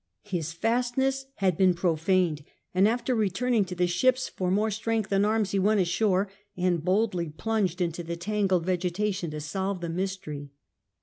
His fastness had been profaned, and after returning to .the ships for more ►' strength and arms, he went ashore and boldly plunged into the tangled vegetation to solve the mystery.